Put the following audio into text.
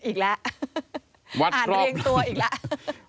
อีกแล้วอ่านเรียงตัวอีกแล้ว